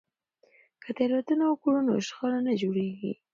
که تیریدنه وکړو نو شخړه نه جوړیږي.